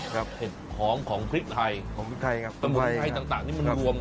แผ็ดหอมของพริกไทยน้ำดุไทยต่างที่มันรวมกัน